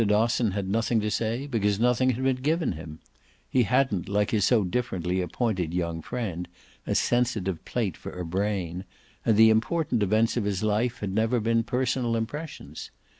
Dosson had nothing to say because nothing had been given him; he hadn't, like his so differently appointed young friend, a sensitive plate for a brain, and the important events of his life had never been personal impressions.